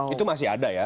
itu masih ada ya